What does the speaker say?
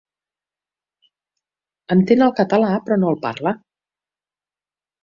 Entén el català, però no el parla.